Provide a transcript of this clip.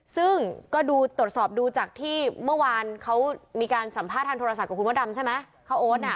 ซึ่งก็ตรวจสอบดูจากที่เมื่อวานเขามีการสัมภาษณ์ทางโทรศักดิ์กับคุณโอ๊ตดำใช่ไหม